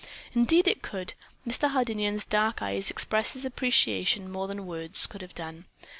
"Indeed it could," Mr. Hardinian's dark eyes expressed his appreciation more than words could have done.